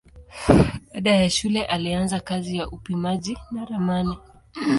Baada ya shule alianza kazi ya upimaji na ramani.